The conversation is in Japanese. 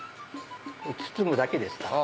包むだけですから。